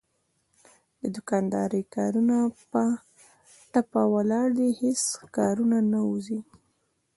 د دوکاندارۍ کارونه په ټپه ولاړ دي هېڅ کارونه نه وځي.